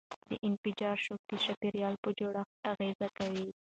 د انفجار شوک د چاپیریال په جوړښت اغېزه کوي.